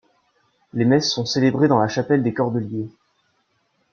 Les messes sont célébrées dans la chapelle des Cordeliers.